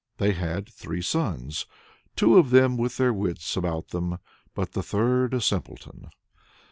They had three sons, two of them with their wits about them, but the third a simpleton.